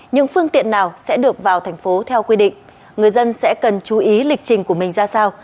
những phương tiện nào sẽ được vào thành phố theo quy định người dân sẽ cần chú ý lịch trình của mình ra sao